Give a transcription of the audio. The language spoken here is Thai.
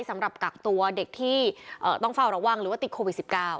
สำหรับกักตัวเด็กที่ต้องเฝ้าระวังหรือว่าติดโควิด๑๙